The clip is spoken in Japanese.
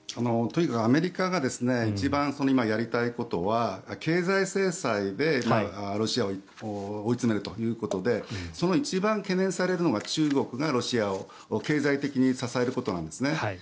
とにかくアメリカが一番やりたいことは経済制裁でロシアを追い詰めるということでその一番懸念されるのが中国がロシアを経済的に支えることなんですね。